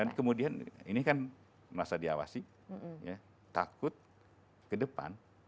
dan kemudian ini kan merasa diawasi takut ke depan